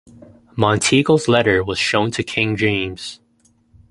Monteagle's letter was shown to King James.